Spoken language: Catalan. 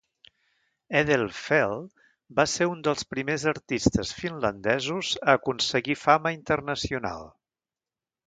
Edelfelt va ser un dels primers artistes finlandesos a aconseguir fama internacional.